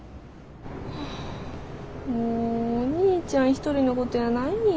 はあもうお兄ちゃん一人のことやないんやから。